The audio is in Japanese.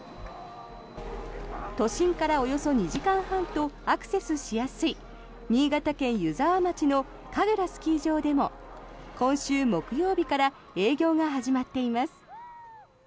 都心からおよそ２時間半とアクセスしやすい新潟県湯沢町のかぐらスキー場でも今週木曜日から営業が始まっています。